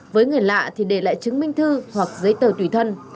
với người lạ thì để lại chứng minh thư hoặc giấy tờ tùy thân